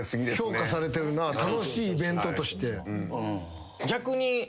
評価されてるな楽しいイベントとして。